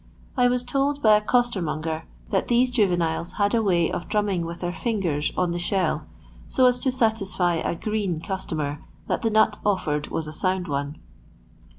I was told by a coster monger that these juveniles had a way of drum ming with their fingers on the shell so as to satisfy a green " customer that the nut offered was a sound one.